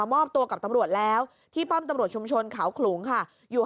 มอบตัวกับตำรวจแล้วที่ป้อมตำรวจชุมชนเขาขลุงค่ะอยู่